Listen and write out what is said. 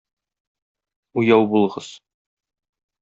Уяу булыгыз!